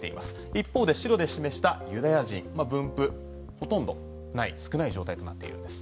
一方で白で示したユダヤ人分布、ほとんどない少ない状態となっているんです。